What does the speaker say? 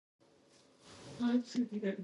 شریف په خپل کاري ځای کې ډېر ستړی کېږي.